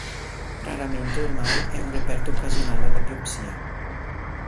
Raramente, ormai, è un reperto occasionale alla biopsia.